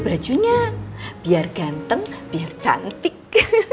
bajunya biar ganteng biar cantik